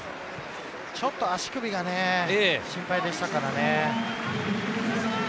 ちょっと足首が心配でしたからね。